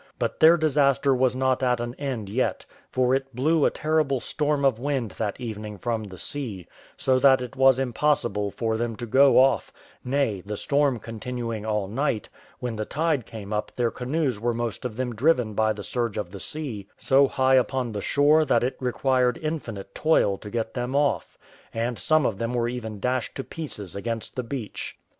But their disaster was not at an end yet; for it blew a terrible storm of wind that evening from the sea, so that it was impossible for them to go off; nay, the storm continuing all night, when the tide came up their canoes were most of them driven by the surge of the sea so high upon the shore that it required infinite toil to get them off; and some of them were even dashed to pieces against the beach.